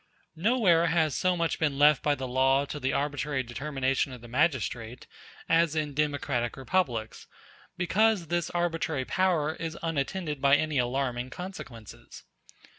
] Nowhere has so much been left by the law to the arbitrary determination of the magistrate as in democratic republics, because this arbitrary power is unattended by any alarming consequences.